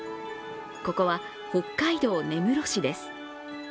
ここは北海道根室市です。